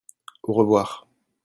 Au revoir !